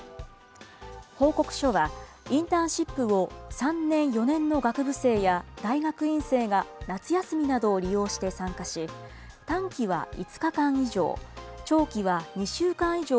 報告書は、インターンシップを３年、４年の学部生や大学院生が夏休みなどを利用して参加し、短期は５日間以上、長期は２週間以上、